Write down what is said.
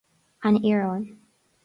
An Iaráin